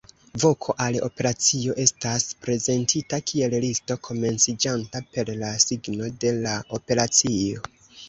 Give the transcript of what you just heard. Voko al operacio estas prezentita kiel listo, komenciĝanta per la signo de la operacio.